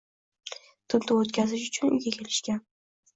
Tintuv o‘tkazish uchun uyga kelishgan.